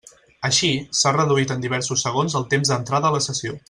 Així, s'ha reduït en diversos segons el temps d'entrada a la sessió.